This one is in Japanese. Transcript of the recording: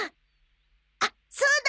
あっそうだ！